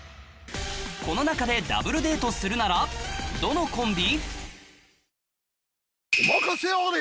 この中でＷデートするならどのコンビ？